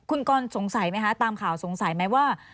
คุณกรสงสัยไหมคะตามข่าวสงสัยไหมว่า